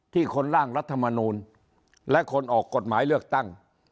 คนร่างรัฐมนูลและคนออกกฎหมายเลือกตั้ง